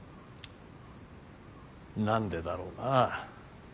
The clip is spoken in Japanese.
何でだろうなあ。